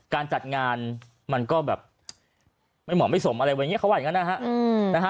การจัดงานมันก็แบบไม่เหมาะไม่สมอะไรอย่างนี้เขาว่าอย่างนั้นนะฮะ